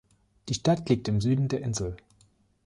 Die Stadt liegt im Süden der Insel.